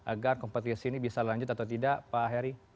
agar kompetisi ini bisa lanjut atau tidak pak heri